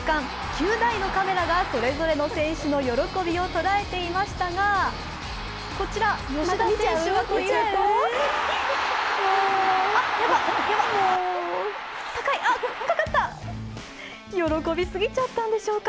９台のカメラがそれぞれの選手の喜びを捉えていましたがこちら、吉田選手はというと喜び過ぎちゃったんでしょうか。